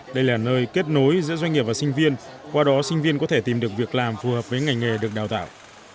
đây là nơi kết nối giữa doanh nghiệp và sinh viên qua đó sinh viên có thể tìm được việc làm phù hợp với ngành nghề được đào tạo